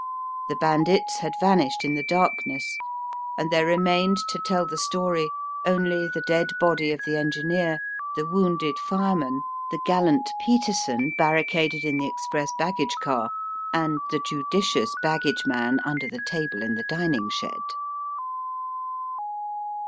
The bandits had vanished in the darkness, and there remained to tell the story only the dead body of the engineer, the wounded fireman, the gallant Peterson barricaded in the express baggage car, and the judicious baggage man under the table in the dining shed.